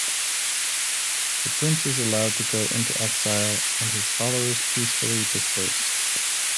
The Prince is allowed to go into exile, and his followers peacefully disperse.